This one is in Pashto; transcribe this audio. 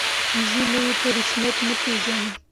ځینې یې په رسمیت نه پېژني.